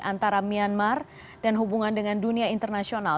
antara myanmar dan hubungan dengan dunia internasional